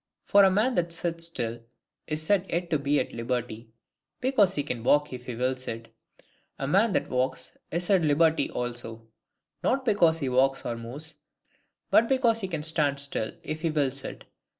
For a man that sits still is said yet to be at liberty; because he can walk if he wills it. A man that walks is at liberty also, not because he walks or moves; but because he can stand still if he wills it.